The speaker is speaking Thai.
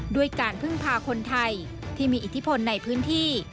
ด้วยการพึ่งพาคนไทยที่มีอิทธิพลในพื้นที่